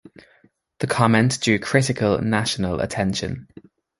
The comment drew critical national attention.